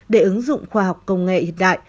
để ứng dụng khoa học công nghệ hiện đại